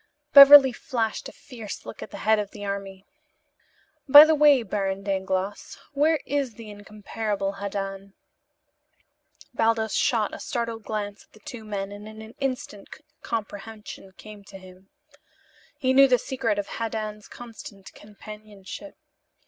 Beverly flashed a fierce look at the head of the army. "By the way, Baron Dangloss, where is the incomparable Haddan?" Baldos shot a startled glance at the two men and in an instant comprehension came to him. He knew the secret of Haddan's constant companionship.